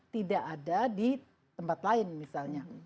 tidak ada di tempat lain misalnya